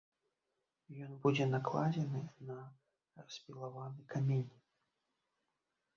Ён будзе накладзены на распілаваны камень.